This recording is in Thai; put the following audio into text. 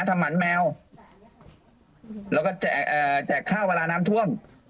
ทำหมันแมวแล้วก็แจกเอ่อแจกข้าวเวลาน้ำท่วม